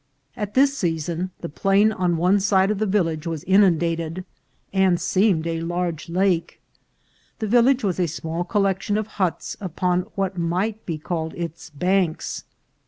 At this season the plain on one side of the village was inundated, and seemed a large lake. The village was a small collection of huts upon what might be called its banks.